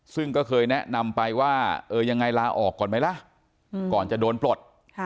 ซึ่งก็เคยแนะนำไปว่าเออยังไงลาออกก่อนไหมล่ะก่อนจะโดนปลด